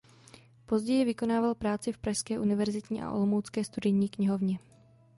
Později vykonával práci v pražské univerzitní a olomoucké studijní knihovně.